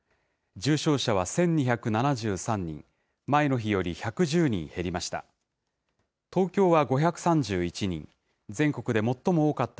重症者は１２７３人、前の日より１１０人減りました。